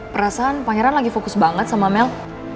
perasaan pangeran lagi fokus banget sama mel